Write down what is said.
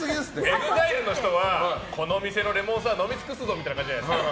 ＥＸＩＬＥの人はこの店のレモンサワー飲みつくすぞみたいな感じじゃないですか。